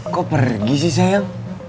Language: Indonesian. kok pergi sih sayang